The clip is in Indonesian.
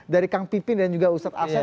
dari kang pipin dan juga ustaz asyaf